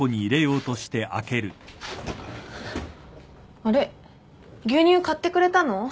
あれっ牛乳買ってくれたの？